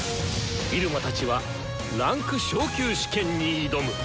入間たちは位階昇級試験に挑む！